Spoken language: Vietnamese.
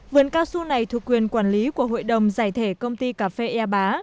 vườn cao su này thuộc quyền quản lý của hội đồng giải thể công ty cà phê ea bá